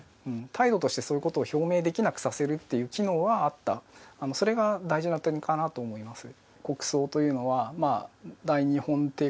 態度としてそういうことを表明できなくさせるという機能はあったそれが大事な点かなと思います。